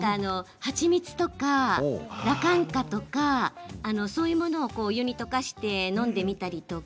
蜂蜜とか、らかんかとかそういうのをお湯に溶かして飲んでみたりとか。